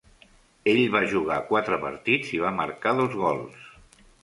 Ell va jugar quatre partits i va marcar dos gols.